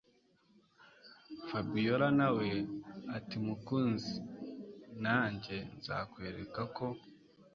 Fabiora nawe atimukunzi najye nzakwereka ko